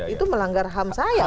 itu melanggar ham saya